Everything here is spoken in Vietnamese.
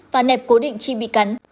và nẹp cố định chi bị cắn